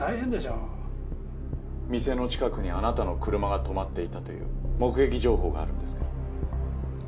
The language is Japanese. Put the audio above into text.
店の近くにあなたの車が止まっていたという目撃情報があるんですけど。